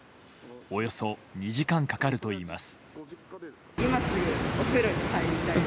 およそ２時間かかるといいます。